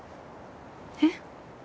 えっ？